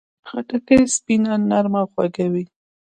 خټکی سپینه، نرمه او خوږه وي.